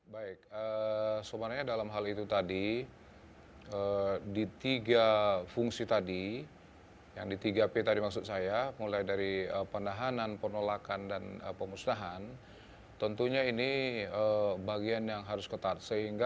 baik sebenarnya dalam hal itu tadi di tiga fungsi tadi yang di tiga p tadi maksud saya mulai dari penahanan penolakan dan pemusnahan tentunya ini bagian yang harus ketat